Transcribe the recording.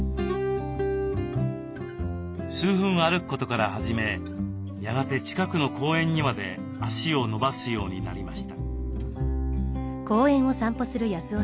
数分歩くことから始めやがて近くの公園にまで足を延ばすようになりました。